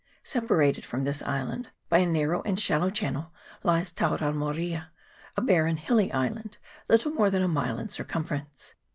Separated from this island by a narrow and shal low channel, lies Tauramoria, a barren hilly island, little more than a mile in circumference.